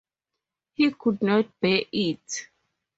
He could not bear it.